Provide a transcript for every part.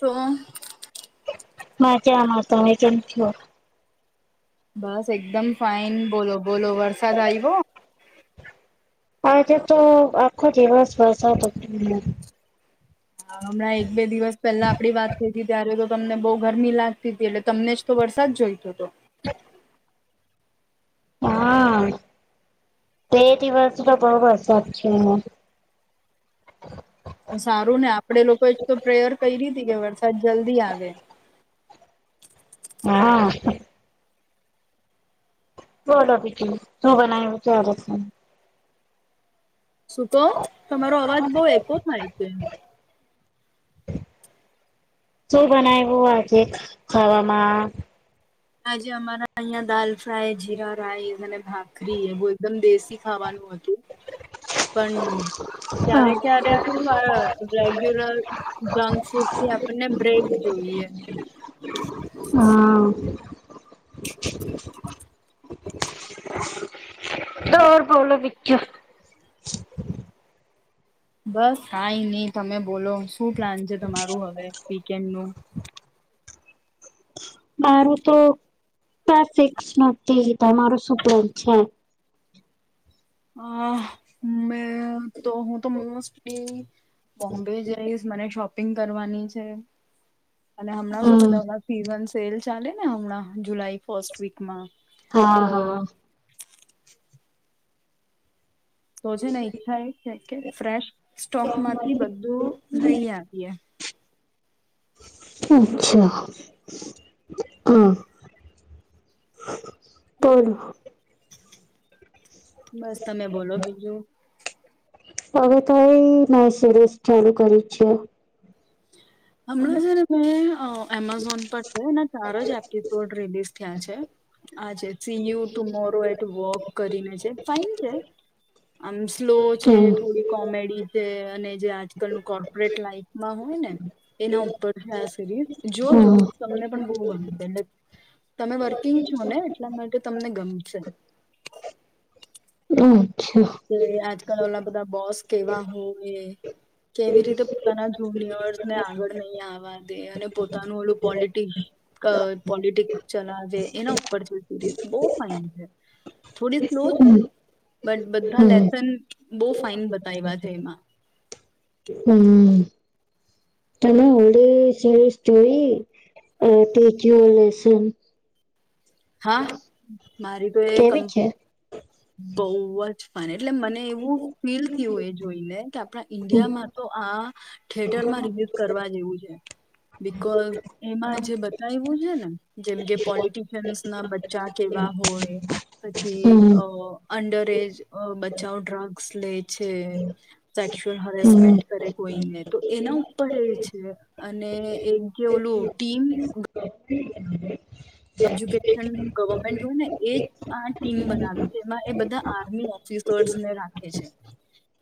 તો મા ક્યામાં તમે કેમ છ બસ એકદમ ફાઈન બોલો બોલો વરસાદ આયવો? આજે તો આખો દિવસ વરસાદ હતોને હા હમણાં એક બે દિવસ પહેલા આપડી વાત થઈ હતી ત્યારે તો તમને બહુ ગરમી લાગતી તી એટલે તમને જ તો વરસાદ જોઈતો હતો. [unintelligible] હા. બે દિવસ તો બહુ વરસાદ છે. સારું ને આપડે લોકોએ જ તો પ્રેયર કયરી તી કે વરસાદ જલ્દી આવે. હા. બોલો બીજું શું બનાયુ છે તમે શું કો? તમારો અવાજ બહુ એકો થાય છે. શું બનાવ્યું આજે ખાવામાં? આજે અમારા અહીંયા દાલફ્રાય, જીરા રાઇસ અને ભાખરી એવું એકદમ દેશી ખાવાનું હતું. [unintelligible] પણ ક્યારે ક્યારે શું થાય રેગ્યુલર જંકફૂડથી થી આપણને બ્રેક જોઈએ. હા. તો બોલો બીજું. બસ કાઈ નહીં તમે બોલો શું પ્લાન છે તમારું હવે વીકેન્ડનું? મારું તો [unintelligible] થી તમારો શું પ્લેન છે? હા મેં તો હું તો મોસ્ટલી બોમ્બે જઈશ મને શોપિંગ કરવાની છે. અને હમણાં શું હમ બધાં હમણાં સીઝન સેલ ચાલેને હમણાં જુલાઈ ફસ્ટ વીકમાં. હા તો હા. [unintelligible] તો છે ને ઈચ્છા એ છે કે ફ્રેશ સ્ટોકમાંથી બધું લઈ આવીએ. અચ્છા. [unintelligible] તો બસ તમે બોલો બીજું. હવે તો એ મેસરેસ ચાલુ કરી છે. [unintelligible] હમણાં છે ને મેં અ એમેઝોન પર છેને ચાર જ એપિસોડ રિલીઝ થયા છે. હા સીયુ ટુમોરો એટ વોક કરીને છે ફાઈન છે. આમ સ્લો છે હમ થોડી કોમેડી છે અને જે આજકાલનુ કોર્પોરેટ લાઈફમાં હોય ને એના ઉપર હે જોજો હા તમને પણ બહુ ગમશે એટલે તમે વર્કિંગ છો ને એટલા માટે તમને ગમશે. અચ્છા એટલે આજકાલ ઓલા બધા બોસ કેવા હોય. કેવી રીતે પોતાના જૂની યર્સને આગળ નહીં આવવા દે અને પોતાનું ઓલું પોલિટિક્ અ પોલિટિક ચલાવે એના ઉપર છે સીરીઝ બહુ ફાઇન છે થોડી સ્લો છે. હમ બટ બધા હમ લેસન બહુ ફાઇન બતાવ્યા છે એમાં. હમ્મ. તમે હોળી સિરીસ જોઈ એ પી ક્યુ લેસન. હા મારી તો એ કેવી છે કંપની બઉ જ ફન એટલે મને એવું ફીલ થયું એ જોઈને કે આપણા ઈન્ડિયામાં તો આ થિયટરમાં રિલીઝ કરવા જેવું છે. બિકોઝ એમાં જે બતાયવું છે ને જેમ કે પોલિટશયન્સના બચ્ચા કે વા હોય કે હમ અંડરએચ બચા ટ્રક માં - સેક્સ્યુઅલ હમ એરેસમેન્ટ કરે કોઈ ને તો એના ઉપર એ છે અને એક ઓલું ટીમ [unintelligible] જો કેટલાક ગોવરમેન્ટ હોય ને એજ આ ટીમ બનાવે જેમાં આ બધા [inaudible] ઇસવર્ડસ ને રાખે છે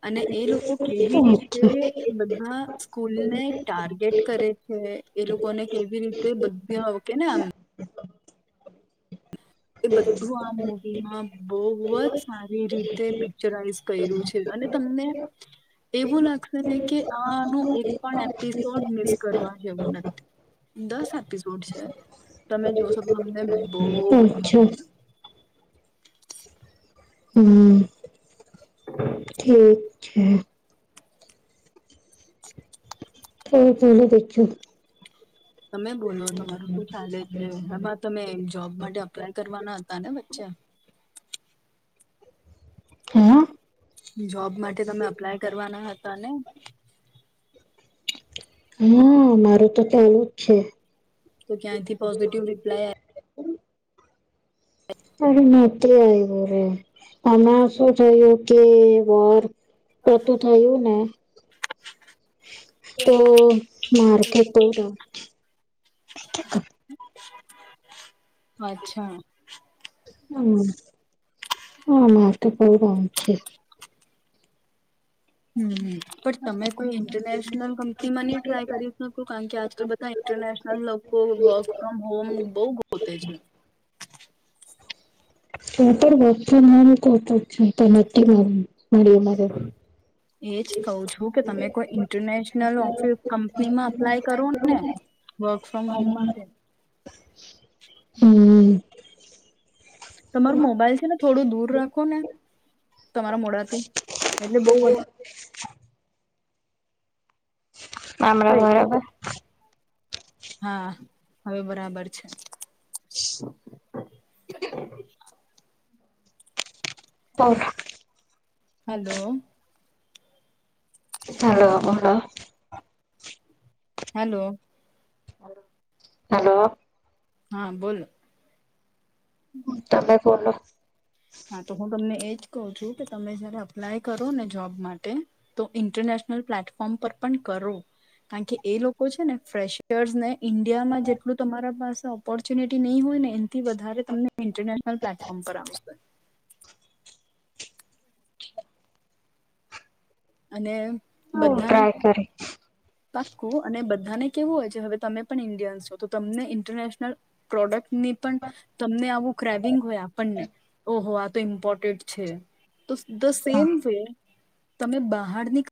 અને એ લોકો કેવી રીતે અચ્છા એ બધા સ્કૂલને ટાર્ગેટ કરે છે એ લોકોને કેવી રીતે બધી ઓકે ને એમ એ બધું આ મુવીમાં બવ જ સારી રીતે પિક્ચરાઈઝ કર કરયું છે અને તમને એવું લાગશે ને કે આનું એક પણ એપિસોડ મિસ કરવા જેવું નથી દસ એપિસોડ છે તમે જોશો તો તમને બહ મ- છે. હમ ઠીક છે થો પેલું પેથયુક તમે બોલો તમારું શું ચાલે છે આમાં તમે જોબ માટે અપ્લાય કરવાના હતા ને વચ્ચા [unintelligible] હા જોબ માટે તમે અપ્લાય કરવાના હતા ને હા મારું તો ચાલુ જ છે તો ક્યાં થી પોઝિટિવ રિપ્લાય આ અરે નથી આવ્યું રે આમાં શું થયું કે વોર પતું થયું ને તો આવ્યો? માર્કેટ તો જાઉ કે ક અચ્છા હમ હા મારે તો બઉ કામ છે હમ પણ તમે કોઈ ઇન્ટરનેશનલ કંપનીમાં નહી ટ્રાય કરી શકો કારણ કે આજકાલ બધા ઇન્ટરનેશનલ લોકો વર્ક ફ્રોમ હોમ બહુ ગોતે છે પર વર્ક હોમ ગોતુ તો નથી મળીયુ મળે એજ કહુ છું કે તમે કોઈ ઈન્ટરનેશનલ ઓફિસ કંપનીમાં અપ્લાય કરો ને ને વર્ક ફ્રોમ હોમ માટે હમ તમારું મોબાઈલ છે ને થોડું દૂર રાખો ને તમારા મોડાથી એટલે બહ માામડા બરાબર હા હવે બરાબર છે [inaudible] ઓહ હાલો હાલો હલો હાલો હાલો હા બોલો હ તમે પોલો હા તો હું તમને એજ કહ છું કે તમે જયારે અપ્લાય કરો ને જોબ માટે તો ઇન્ટરનેશન પ્લેટફોર્મ પર પણ કરો કારણ કે એ લોકો છે ને ફેશર્સને ઈન્ડિયામાં જેટલું તમારા પાસે ઓપોર્ચ્યુનિટી નહી હોય ને એથી વધારે તમને ઇન્ટરનેશનલ પ્લેટફોર્મ પર આવશે અને હ બધાને ટ્રાય કરી પાક્કું. અને બધાને કેવું હોય છે હવે તમે પણ ઇન્ડિયન્સ છો તો તમને ઇન્ટરનેશનલ પ્રોડક્ટ ની પણ તમને આવું ક્રેબિંગ હોય આપણને ઓહો આ તો ઇમ્પોર્ટેન્ટ છે. તો દ સેમ વે. તમે બહારની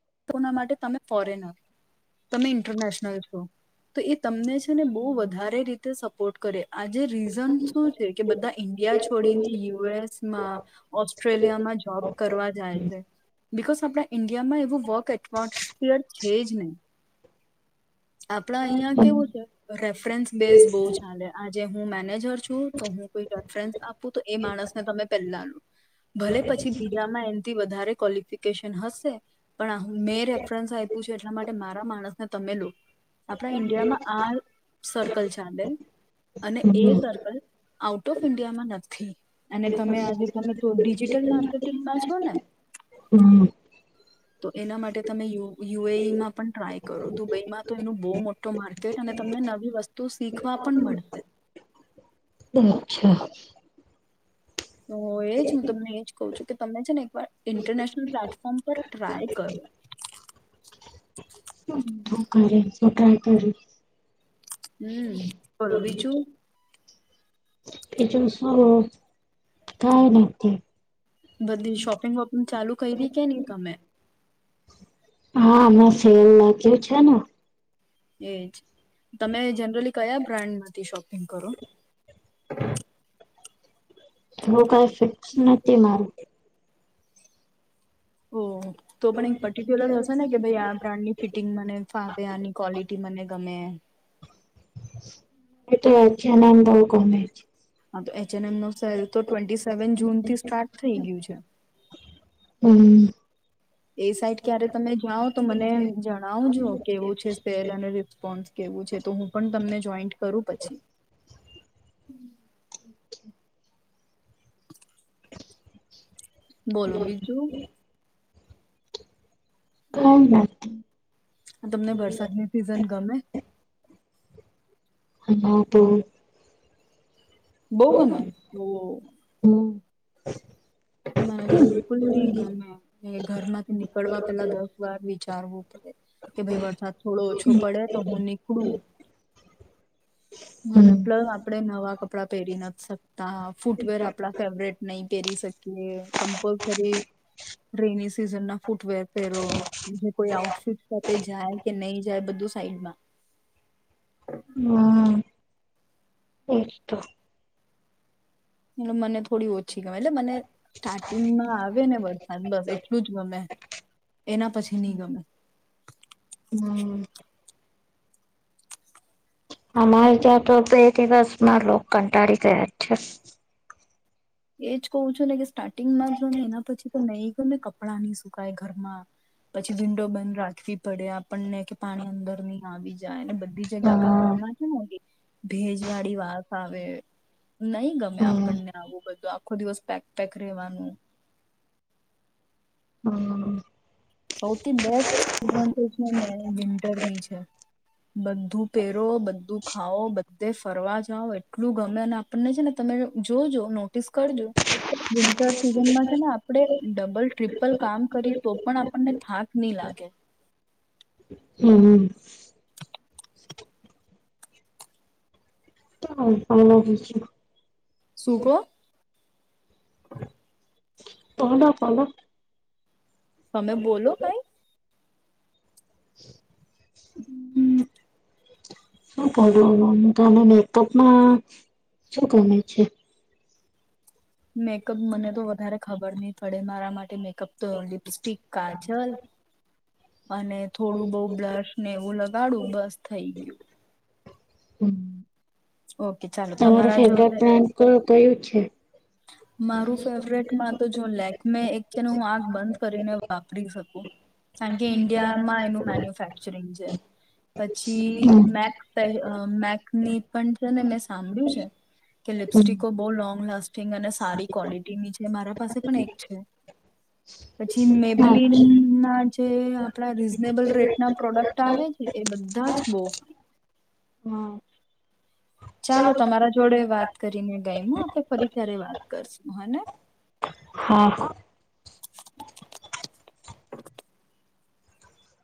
ટ્રિપો ના માટે તમે ફોરેન આવો. તમે ઇન્ટરનેશનલ છો. તો એ તમનેજ ને બહ વધારે રીતે સપોર્ટ કરે. આજે રીઝન શું છે કે બધા ઈન્ડિયા છોડીને યુએસમાં, ઓસ્ટ્રેલિયામાં જોબ કરવા જાય છે. બીકોઝ આપણા ઈન્ડિયામાં એવું વર્ક એટમોસ્ફિયર છે જ નહીં. આપડા અહિયાં કેવું છે. રેફરન્સ બેઝ બહુ ચાલે. આજે હું મેનેજર જો તો હું કોઈ રેફરન્સ આપું તો એ માણસ ને તમે પેલા લો ભલે પછી બીજામાં એનથી વધારે ક્વોલિફિકેશન હસે પણ આ હું મેં રેફરન્સ આપ્યું છું એટલા માટે મારા માણસને તમે લો. આપણા ઈન્ડિયામાં આ સર્કલ ચાલે અને એ હમ્મ સર્કલ આઉટ ઓફ ઇન્ડિયામાં નથી. અને તમે આજે તમે તો ડિજિટલ માર્કેટિંગમાં છો ને? હમ્મ તો એના માટે તમેય યુએઈમાં પણ ટ્રાય કરો, દુબઈમાં તો એનું બહુ મોટું માર્કેટ અને તમને નવી વસ્તુ શીખવા પણ મળશે. અચ્છા એજ હું તમને એજ કઉ છું કે તમને છે ને ઇન્ટરનેશનલ પ્લેટફોર્મ પર ટ્રાય કરો. તું કરે તો ટ્રાય કરીશ. હમ બોલો બીજું? બીજું શું? કઈ નથી. કઈ બી કે ની ગમે હા હમણાં સેલ લાગ્યું છે ને. એજ, તમે જનરલી કયા બ્રાન્ડમાંથી શોપિંગ કરો? હું કઈ ફિક્સ નથી મારૂ. ઓ તો પણ એક પર્ટિક્યુલર હશે ને કે ભાઈ આ બ્રાન્ડની ફિટિંગ મને ફાવે. આની ક્વોલિટી મને ગમે. એ તો એચ એન્ડ એમ બવ ગમે છે. હા તો એચ ઍન્ડ એમ નો સેલ તો ટવેન્ટી સેવન જૂન થી સ્ટાર્ટ થઈ ગયું છે. હમ એ સાઈટ ક્યારે તમે જાઓ તો મને જણાવજો કેવું છે સેલ અને રિસ્પોન્સ કે તો હું પણ તમને જોઈન્ટ કરું પછી. [inaudible] બોલો બીજું? કઈ નથી તમને વરસાદની સિઝન ગમે? હા તો. બહુ ગમે? બો [inaudible] મને તો બિલકુલ નઈ ગમે. ઘર માંથી નીકળવા પેલા દસ વાર વિચારવું. કે ભાઈ વરસાદ થોડો ઓછો પડે તો હું નીકળું. હ ના હમ્મ પ્લસ આપણે નવા કપડા પહેરી નથી શકતા. ફૂટવેર આપડા ફેવરેટ નહી પેરી શકીએ, કમ્પલસરી રેની સીઝન ના ફૂટવેર પેરો. જે કોઈ આઉટફિટ સાથે જાય કે નહી જાય? બધું સાઈડમાં હા. એ તો એટલે મને થોડી ઓછી છી ગમે એટલે મને સ્ટાર્ટિંગમાં આવે ને વરસાદ બસ એટલું જ ગમે. એના પછી નહી ગમે હમ અમારે ત્યાં તો બે દિવસમાં લો કંટાળી ગયા જ છે એજ કવું છું ને કે સ્ટાર્ટિંગમાં જો ને એના પછી તો નહી ગયો ને કપડાં નહી સુકાય ઘરમાં પછી વિન્ડો બંધ રાખવી પડે આપણને કે પાણી અંદર નહી આવી જાય બધ બી જગ્યા આખા હા. ઘરમાં છે ભેજ વાળી વાસ આવે નહી ગમે હમ આપણને આવું આખો દિવસ પેક પેક રહેવાનું હા સૌથી બેસ્ટ ભંત છે ને વિન્ટરની છે બધું પહેરો બધું ખાઓ બધે ફરવા જાઓ એટલું ગમે અને આપણને છે ને તમે તમે જોજો નોટિસ કરજો વિન્ટર સિઝનમાં છે ને આપડે ડબલ ટ્રીપલ કામ કરીએ તો પણ આપને થાક નહી લાગે હમ હ હ અમું શુંકો પોડા પડા તમે બોલો કઈ હમ [inaudible] શું કર તને મેઅપમાં શું ગમે છે મેકઅપ મને તો વધારે ખબર નહી પડે મારા માટે મેકઅપ કેમ તો લિપસ્ટિક કા જલ અને થોડું બહુ બ્લશ ને એવું લગાડું બસ થઈ ગયું હમ ઓકે ચાલો તમારો તમારા જો ફેવરેટ હવે બ્રાડ કયું છે મારું ફેવરેટ માં તો જો લે મેં એક ચન હું આંખ બંધ કરીને વાપરી શકું કારણ કે ઈન્ડિયા માં એનું મેન્યુફેક્ચરિંગ છે પછી હમ મેક્ અ મેકની પણ છે ને મેં સાંભળ્યું છે કે હમ લિપસ્ટિકો બહુ લોંગ લાસ્ટિ ંગ અને સારી ક્વોલિટીની છે મારા પાસે પણ એક છે પછી મેબલીન ના જે આપણા રીઝનેબલ રેટના પ્રોડક્ટ આવે છે એ બધા જ બહુ ફાય હા ચાલો તમારા જોડે વાત કરીને ગઈ હ આપણે ફરી સ્યારે વાત કરશું હેને [unintelligible] હા [unintelligible]